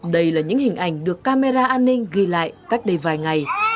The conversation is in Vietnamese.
đây là những hình ảnh được camera an ninh ghi lại cách đây vài ngày